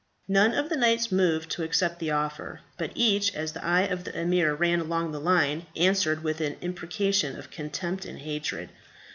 None of the knights moved to accept the offer, but each, as the eye of the emir ran along the line, answered with an imprecation of contempt and hatred.